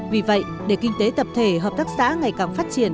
vì vậy để kinh tế tập thể hợp tác xã ngày càng phát triển